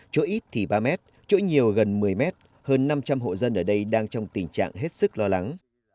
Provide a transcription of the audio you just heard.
chỗ ít thì ba mét chỗ nhiều gần một mươi mét hơn năm trăm linh hộ dân ở đây đang trong tình trạng hết sức lo lắng